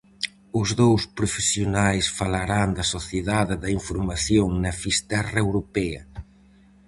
Os dous profesionais falarán da sociedade da información na Fisterra europea.